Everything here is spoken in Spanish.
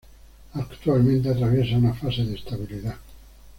Actualmente atraviesa una fase de estabilidad.